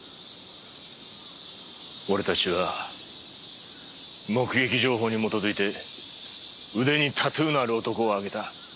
俺たちは目撃情報に基づいて腕にタトゥーのある男をあげた。